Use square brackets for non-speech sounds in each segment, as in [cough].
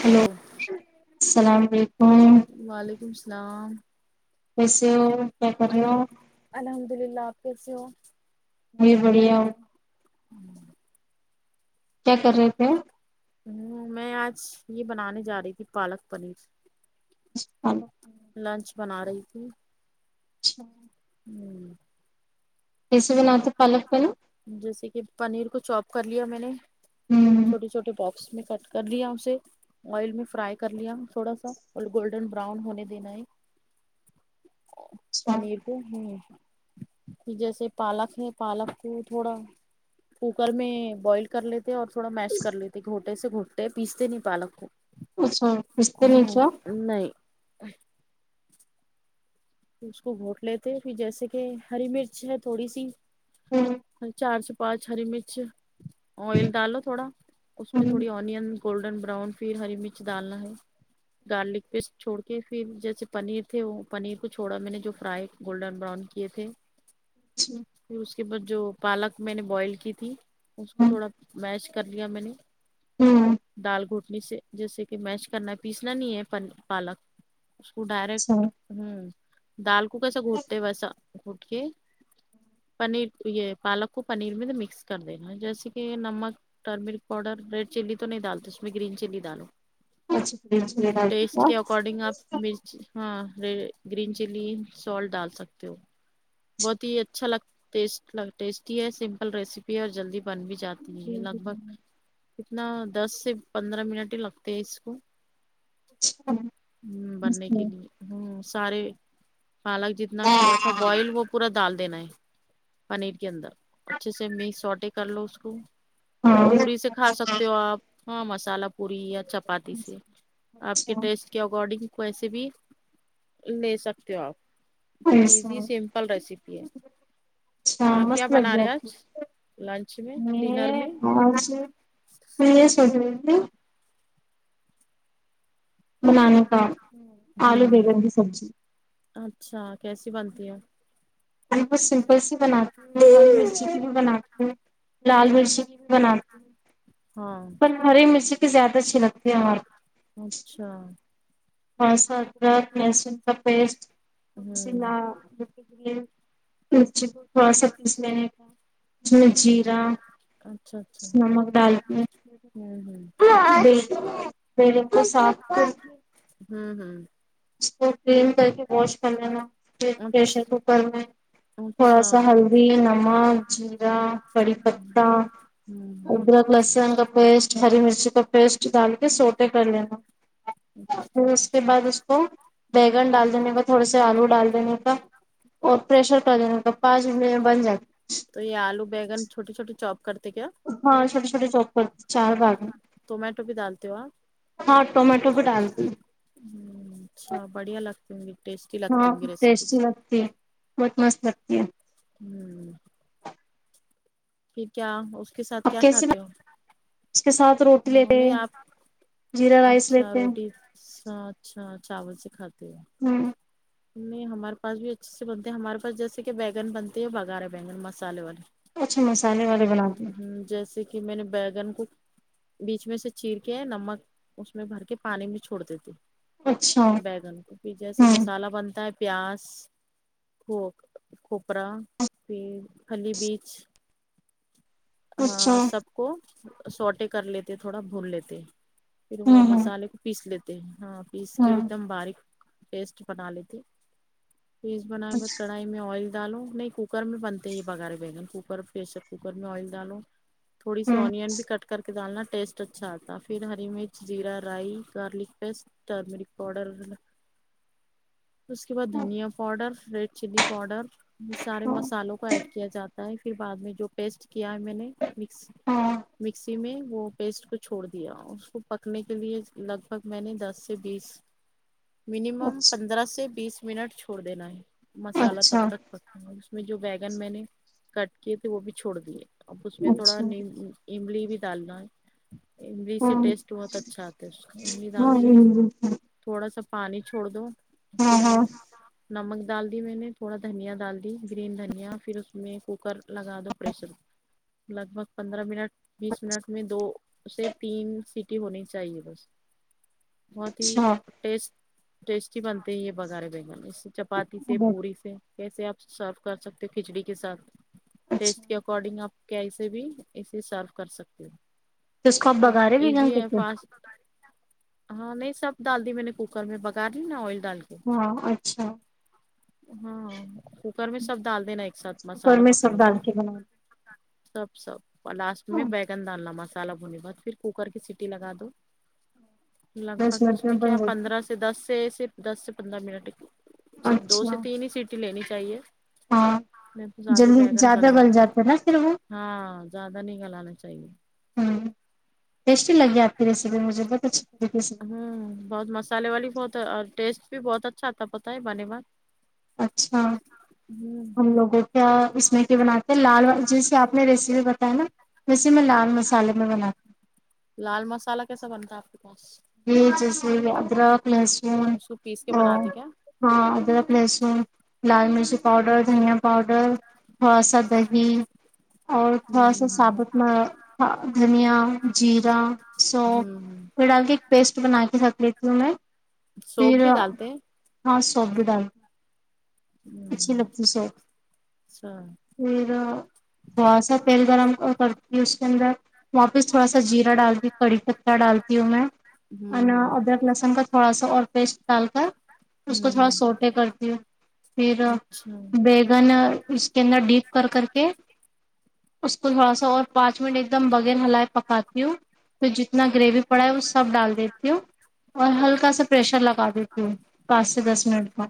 hello السلام علیکم وعلیکم السلام کیسے ہو کیا کر رہے ہو الحم الحمد للہ آپ کیسے ہو جی بڑھیا ہو ہوں کیا کر رہے تھ ہوں میں آج یہ بنانے جا رہی تھی پالک پنیر ہلو لنچ بنا رہی تھی اچھا ہوں کیسے بناتے ہیں پالک پنیر جیسے کہ پنیر کو چاپ کر لیا میں نے ہمم چھوٹے چھوٹے بکس اس میں کٹ کر لیا اسے آئل میں فرائی کر لیا تھوڑا سا اور گولڈن براؤن ہونے دینا ہے اچھا پنیر کو ہ جیسے پالک ہے پالک وہ تھوڑا کوکر میں بوائل کر لیتے اور تھوڑا میش کر لیتے گو گھوٹ سے گھٹتے ہے پیستے نہیں پالک کو اچھا پستے نی ہ کیا نہیں اس کو گھونٹ لیتے پھر جیسے کہ ہری مرچ ہے تھوڑی سی ہوں چار سے پانچ ہری مرچ آئل ڈالو تھوڑا اس میں ہمم تھوڑی اونین گولڈن براؤن پھر ہری مرچ ڈالنا ہے گارلک پیسٹ چھوڑ کے پھر جیسے پنیر تھے وہ پنیر کچھ چھوڑا میں نے جو فرائی گولڈن براؤن کیے تھے پھر اس کے بعد جو پالک میں نے بوائل کی تھی اس کو تھوڑا میش کر لیا میں نے ہمم دال گھوٹ سے جیسے کہ میش کرنا ہے پیسنا نہیں ہے پالک اس کو اچھا ڈائریکٹ ہوں اچھا ہوں دال کو کسا گھٹتے ویسا گھٹ کے پنیر یہ پالک کو پنیر میں مکس کر دینا جیسے کہ نمک ٹرمرک پاؤڈر ریڈ چلی تو نہیں ڈالتے اس میں گرین چلی ڈالو اچھا فریج میں ہ ڈال کیا ٹیسٹ کے اکارڈنگ آپ م رچی ہاں ر گرین چلی سالٹ ڈال سکتے ہو بہت ہی اچھا لگ ٹیسٹ لگ ٹیسٹی ہے سمپل ریسیپی ہے اور جلدی بن بھی جاتی ہیں یہ لگ بھگ کتنا دس سے پندرہ منٹ لگتے ہیں اس کو ہ بننے کے لیے ہوں سارے پالک جتنا کیا تھا بوائل وہ پورا ڈال دینا ہے پنیر کے اندر اچھے سے مس سوٹے کر لو اس کو ہاں پوری سے کھا سکتے ہو آپ ہاں مسالہ پوری یا چپاتی سے آپ کے اچھا ٹیسٹ کے اکارڈنگ وسے بھی لے سکتے ہو آپ ب ایسا ایزی سمپل پل ریسیپی ہے اچھا آپ کیا مست بنا لگی رہے آپ کی آج میں نے اج میں یہ سوچ رہ تھی بنانا تھا ہوں آلو ہوں بیگن کی سبزی اچھا کیسی بنتی ہے ہم کو سمپل سی بناتی ہیں مرچی کی بھی بناتی ہیں لال مرچی کی بنات ہاں پر ہری مرچی کی زیادہ اچھی لگتی ہے ہمارے اچھا اورس ادرک لہسن کا پیسٹ ل ہوں مرچے کو تھوڑا سا پیس لینے کا جس میں جیر اچھا نمک دال پ ہوں ہوں ہ بالکل بالکل سا ہوں ہوں اس کو کلین کر کے واش کر لینا پھر پریشر اچھا کوکر میں تھوڑا اچھا سا ہلدی نمک جیرا کڑی ہوں پتتا [inaudible] ادرک لہسن کا پیسٹ ہری مرچی کا پیسٹ دال سوٹے کر لینا اچھا پھر اس کے بعد اس کو بیگن ڈال دینے کا تھوڑے سے آلو ڈال دینے کا اور پریشر کر دینا کا پانچ منٹ میں بن جائے تو یہ آلو بیگن چھوٹی چھوٹی چوپ کرتے کیا ہاں شوٹی شوٹی چاپ کرتے چار باگ میں ٹومیٹو بھی ڈالتے ہو آپ ہاں ٹومیٹو بھی ڈال دی ہ اچھا بڑھیا لگتی ہوں گی ٹیسٹی لگتی ہاں ہوں گی ریسیپی ٹیسٹی لگتی بہت مست لگتی ہے ہوں پھر کیا اس کے ساتھ اب کیا کیسے کھاتے ہو اس کے ساتھ روٹی لیتے نہیں آپ جیرا رائس لیتے ہیں روٹی اچھا اچھا چاول سے کھاتے ہیں ہ نہیں ہمارے پاس بھی اچھے سے بنتے ہیں ہمارے پاس جیسے کہ بینگن بنتے ہیں اور بگار بیگن مسالے والے اچھے مسالے والے بناتے ہیں، ہ جیسے کہ میں نے بیگن کو بیچ میں سے چیر کے نمک اس میں بھر کے اچھا بیگن کو بھی جیسے ہوں مسالہ بنتا ہے پیاس ک کھوپرا پھر پہلی بیچ اچھا ا سب کو سوٹے کر لیتے تھوڑا بھون لیتے پھر وہ ہوں مسالے کو پیس لیتے ہیں ہاں پیس کے ایک ہوں دم باریک پیسٹ بنا لیتے پیسٹ بنائے بعد کڑھائی میں آئل ڈالو نہیں کوکر میں بنتے ہی یہ بگارے بیگن کوکر پریشر کوکر میں آئل ڈالو تھوڑی سی ہوں اونئین بھی کٹ کر کے ڈالنا ٹیسٹ اچھا آتا پھر ہری مرچ زیرا رائی گارلک پیسٹ ٹرمرک پؤڈر اس کے بعد دھنیا پاؤڈر ریڈ چلی پاؤڈر یہ سارے اچھا مسالوں کو ایڈ کیا جاتا ہے پھر بعد میں جو پیسٹ کیا ہے میں نے مس ہاں مکسی میں وہ پیسٹ کو چھوڑ دیا اس کو پکنے کے لیے لگ بھگ منیمم اچھا پندرہ سے بیس منٹ چھوڑ دینا ہے مسالہ تب اچھا تک اس میں جو بیگن میں نے کت کیئے تھے وہ بھی چھوڑ دیئے اب اس میں تھوڑا اچھا نیمبو ایملی بھی ڈالنا ہے املی سے ہاں ٹیسٹ بہت اچھا آتا ہے اس کا املی ہاں ڈال دیے تھوڑا سا پانی چھوڑ دو ہاں ہاں پھر نمک ڈال دی میں نے تھوڑا دھنیا ڈال دی گرین دھنیا پھر اس میں کوکر لگا دو پریسر لگ بھگ پندرہ منٹ بیس منٹ میں دو سے تین سیٹی ہونی چاہیے بس بہت ہی اچھا ٹیسٹ ٹیسٹی بنتے ہیں یہ بگارے بیگنے چپاتی سے پوری سے جیسے آپ سرو کر سکتے تھے کھچڑی کے ساتھ اچھا تو اکارڈنگ آپ کیسے بھی اسے سرو کر سکتے ہو اس کو آپ بگارے بھی جان ایزی ہے یہ سکتے فاسٹ ہاں نہیں سب ڈال دی میں نے کوکر میں باگر لی نا آئل ڈال کے ہاں اچھا ہاں کوکر میں ڈال دے نا سب ایک ساتھ کوکر مسالہ میں سب پکنے ڈال کے بنا سب سب اور لاسٹ میں بیگن ڈالنا مست مسالہ ہونے بعد پھر کوکر سٹی لگا دو لک دس بھگ منٹ اس میں کیا بن جاتی پندرہ سٹی دس سے صرف دس سے پندرہ منٹ کی اچھا تین ہی سیٹی لینی چاہیے ہاں نہیں تو زیادہ جلدی بیگن گل زیادہ جاتی جاتا ہے نا پھر وہ ہیں ہاں زیادہ نہیں گلانا چاہیے ہوں ٹیسٹی لگی آپ کی ریسیپی مجھے بہت ہوں بہت مسالے والی بہت ہے اور ٹیسٹ بھی بہت اچھا آتا پتا ہے بنے بات اچھا ہم لوگوں کیا اس میں کیا بناتے ہیں لال جیسے آپ نے ریسیپی بتا ہے نا ویسے میں لال مسالے میں بنا لال مسالہ کیسا بنتا ہے آپ کے پاس یہ جیسے ادرک لہسن اس کو پیس کے اور بناتے کیا ہاں ادرک لہسن لال مرچی پاؤڈر دھنیا پاؤڈر تھوڑا سا دہی اور تھوڑا سا ہوں سابوت م م دھنیا جیرا سونف ہوں پھر ڈال کے ایک پیسٹ بنا کے رکھ لیتی ہوں میں سوپ پھر بھی ڈالتے ہیں ہاں سوپ بھی ڈال اچھی ہوں لگتی سوپ اچھا پھر تھوڑا سا تیل گرم کرتی ہے اس کے اندر واپس تھوڑا سا جیرا ڈالتی ہوں کڑی پترہ ڈالتی ہوں میں ہوں انا ہوں ادرک لہسن کا تھوڑا سا اور پیسٹ ڈال کر اس کو تھوڑا ہوں سوٹے کرتی ہو پھر ہوں اچھا بیگن اس کے اندر ڈیپ کر کر کے اس کو تھوڑا سا اور پانچ منٹ ایک دم بغیر ہلائے پکاتی ہوں پھر اتنا گریوی پڑا ہے وہ سب ڈال دیتی ہوں اور ہلکا سا پریشر لگا دیتی ہوں پانچ سے دس منٹ میں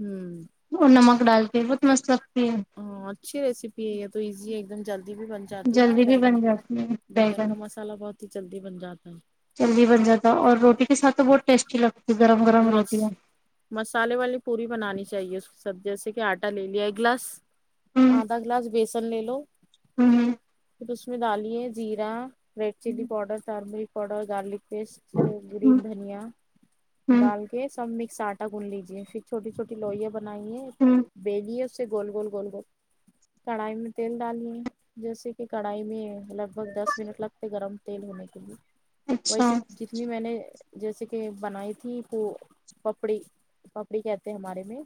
ہوں اور نمک ڈال کے بہت مست لگتی ہے ہاں اچھی ریسیپی ہے یہ تو ایزی ہے ایک دم جلدی بھی بن جاتی نا جلدی بھی بیگن بن جاتی ہے بیگن کا مسالہ بہت ہی جلدی بن جاتا ہے جلدی بن جاتا اور روٹی کے ساتھ تو بہت ٹیسٹی لگتا ہے مس مسالے والی پوری بنانی چاہیے اس سب جیسے کہ آٹا لے لیا ایک گلاس ہوں آدھا گلاس بیسن لے لو ہوں پھر اس میں دالے زیرا red chilli powder turmeric powder garlic paste green دھنیا ہ ڈال کے سب مکس آٹا گون لیجیے پھر چھوٹی چھوٹی لوئیاں بنائی ہیں ہ ہ بیلیی ہے اس سے گول گول گول گول کڑھائی میں تیل ڈالی جیسے کہ کڑھائی میں لگ بھگ دس منٹ لگتے گرم تیل ہونے کے لیے اچھا ویسی جتنی میں نے جیسے کہ بنائی وہ پپڑی پپڑی کہتے ہمارے میں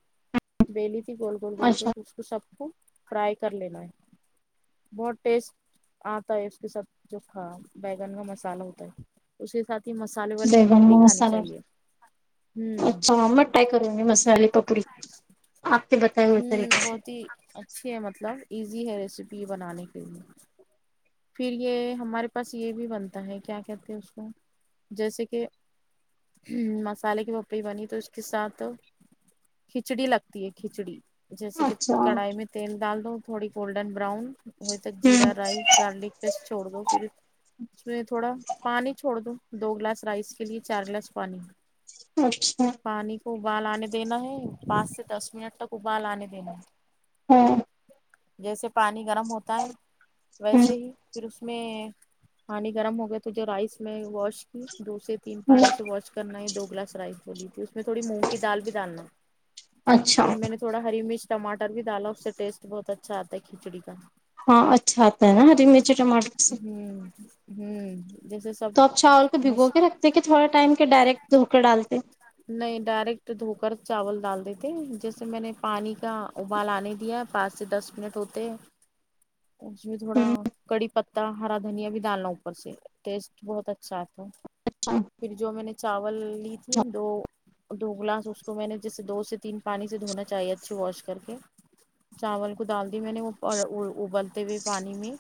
بیلی تھی گول گول گول اچھا کر اس کو سب کو فرائی کر لینا ہے بہت ٹیسٹ آتا ہے اس کے ساتھ جو کا بیگن کا مسالہ ہوتا ہے اس کے ساتھ ہی مسالے والی بیگن پپڑی میں کھانی مسالہ چاہیے ہوں اچھا میں ٹائی کروں گی مسالے پپوڑی آپ نے بتائے ہوئے طریقے سے اچھے مطلب ایزی ہے ریسیپی بنانے کے لیے پھر یہ ہمارے پاس یہ بھی بنتا ہے کیا کہتے ہیں اس کو جیسے کہ مسالے کی پپئی بنی تو اس کے ساتھ کھچڑی لگتی ہے کھچڑی جیسے کہ اچھا کڑھائی میں تیل ڈال دو تھوڑی گولڈن براؤن ہوئے ہ زیرہ رائی گار لک پسٹ چھوڑ دو پھر اس میں تھوڑا پانی چھوڑ دو دو گلاس رائس کے لیے چار گلاس پانی اچھا پانی کو ابال آنے دینا ہے پانچ سے دس منٹ تک ابال آنے دینا ہے ہاں جیسے پانی گرم ہوتا ہے ہ ویسے ہی پھر اس میں پانی گرم ہو گیا تو جو رائس میں واش دو سے تین پانی سے واش کرنا یہ دو گلاس رائس جولی تھی اس میں تھوڑی مونگ کی دال بھی ڈالنا اچھا پھر میں نے تھوڑا ہری مرچ ٹماٹر بھی ڈالو اس سے ٹیسٹ بہت اچھا آتا ہے کھچڑی کا ہاں اچھا اچھاتا ہے نا ہری مرچی ٹماٹر ہوں سے ہوں جیسے سب تو آپ چاول کو بھگو بس کے رکھتے کہ تھوڑے ٹائم کے ڈائریکٹ دھل کے ڈالتے نہیں ڈائریکٹ دھو کر چاول ڈال دیتے جیسے میں نے پانی کا ابالانے دیا پانچ سے دس منٹ ہوتے اس میں تھوڑا ہ کڑی پتتا ہرا دھنیا بھی ڈالناا ہوں اوپر سے ٹیسٹ بہت اچھا آتا اچھا اچھا پھر جو میں نے چاول لی تھی دو دو گلاس اس کو میں نے جیسے دو سے تین پانی سے دھونا چاہیے اچھے واش کر کے چاول کو ڈال دی میں نے وہ ابلتے ہوئے پانی میں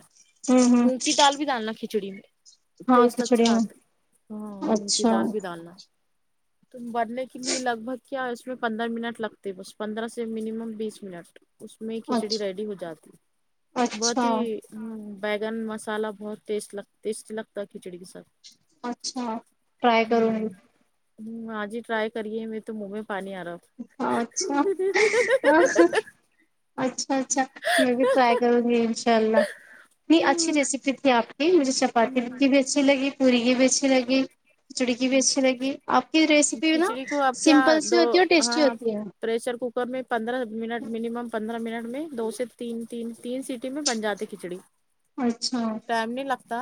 ہ ہ مونگ کی دال بھی ڈالنا کھچڑی میں ہاں ٹیسٹ کھچڑی اچھا آ تا میں ہاں مونگ کی اچھا دال بھی ڈالنا تم برنے کے لیے لگ بھگ کیا اس میں پندرہ منٹ لگتے ہے بس پندرہ سے مینمم بیس منٹ اس میں اچھا کھچڑی ریڈی ہو جاتی بہت اچھا ہ بیگن مسالا بہت ٹیسٹ لگ ٹیسٹی لگتا ہے کھچڑی کے ساتھ اچھا ٹرائے کروں ہ آج ہی ٹرائی کریے میرہے تو منہ میں پانی آ رہا اچھا اچھا اچھا میں بھی رائی کروں گی انشاء اللہ اچھی ریسیپی تھی آپ کی مجھے چپاتی کی بھی اچھی لگی پوری جیسی لگی کھچڑی کی جیسی لگی آپ کی ریسیپی نا کھچڑی کو آپ کیا سمپل سی دو ہوتی ہے اور ٹیسٹی ہاں ہوتی ہے پریشر کوکر میں پندرہ منٹ مینمم پندرہ منٹ میں دو سے تین ت تین سیٹی میں بن جاتی کھچڑی اچھا ٹائم نہیں لگتا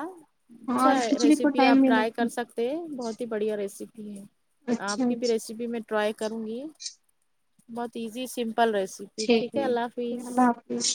ہاں اور اچھا کھچڑی کو ریسیپی ٹائم آپ نہیں ٹرائی کر لگتا سکتے بہت ہی بڑھیا ریسیپی ہے اچھا آپ کی بھی اچھا ریسیپی میں ٹرائی کروں گی بہت ایزی سمپل ریسیپی ٹھیک ہے اللہ حافظ اس